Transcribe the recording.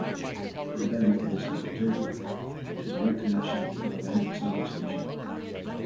Levent in Istanbul, Turkey, with a direct connection to the Levent subway station.